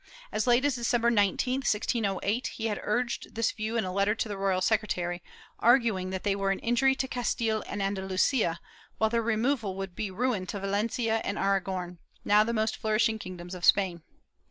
As late as December 19, 1608, he had urged this view in a letter to the royal secretary, arguing that they were an injury to Castile and Andalusia, while their removal would be ruin to Valencia and Aragon, now the most flourishing kingdoms of Spain.